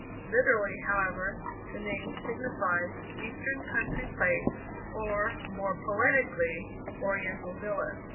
Literally, however, the name signifies, "Eastern Country Place," or, more poetically, "Oriental Villa."